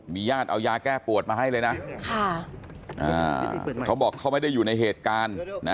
ญาติเอายาแก้ปวดมาให้เลยนะเขาบอกเขาไม่ได้อยู่ในเหตุการณ์